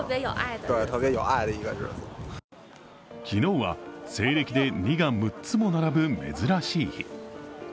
昨日は西暦で２が６つも並ぶ珍しい日。